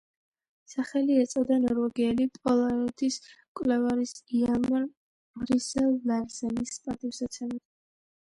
სახელი ეწოდა ნორვეგიელი პოლარეთის მკვლევარის იალმარ რისერ-ლარსენის პატივსაცემად.